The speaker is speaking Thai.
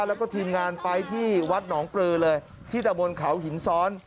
แล้วก็ทีมงานไปที่วัดหนองปลือเลยที่ตะบนเขาหินซ้อน